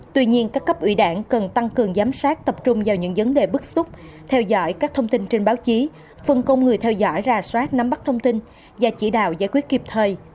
tuy nhiên các cấp ủy đảng cần tăng cường giám sát tập trung vào những vấn đề bức xúc theo dõi các thông tin trên báo chí phân công người theo dõi ra soát nắm bắt thông tin và chỉ đạo giải quyết kịp thời